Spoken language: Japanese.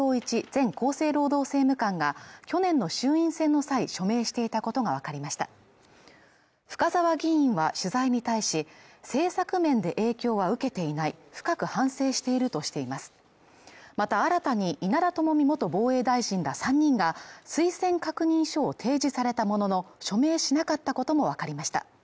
前厚生労働政務官が去年の衆院選の際署名していたことが分かりました深沢議員は取材に対し政策面で影響は受けていない深く反省しているとしていますまた新たに稲田朋美元防衛大臣が３人が推薦確認書を提示されたものの署名しなかったことも分かりました